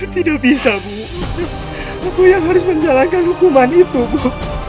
tidak bisa bu aku yang harus menjalankan hukuman itu bu